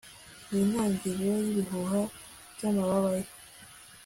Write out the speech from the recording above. Nintangiriro yibihuha byamababa ye